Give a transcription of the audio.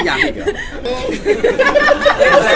ยังอีกเหรอ